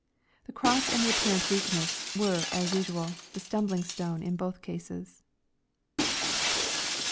The cross and the apparent weakness, were, a? usual, the stumbling stone in both cases.